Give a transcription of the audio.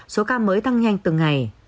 số ca mới tăng nhanh từng ngày